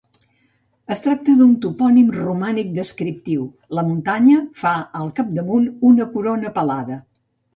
Es tracta d'un topònim romànic descriptiu: la muntanya fa al capdamunt una corona pelada.